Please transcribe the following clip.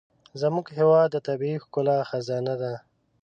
زموږ هېواد د طبیعي ښکلا خزانه ده.